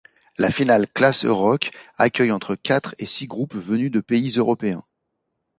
La finale Class’EuRock accueille entre quatre et six groupes venus de pays européens.